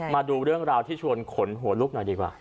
มาดูเรื่องราวที่ชวนขนหัวลุกหน่อยดีกว่า